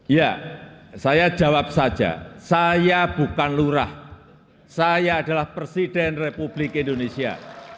ya saya jawab saja saya bukan lurah saya adalah presiden republik indonesia